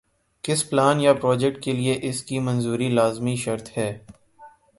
کسی پلان یا پراجیکٹ کے لئے اس کی منظوری لازمی شرط ہے۔